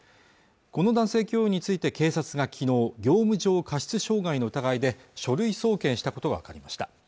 この男性教諭について警察がきのう業務上過失傷害の疑いで書類送検したことが分かりました